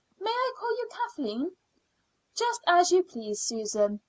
May I call you Kathleen?" "Just as you please, Susan.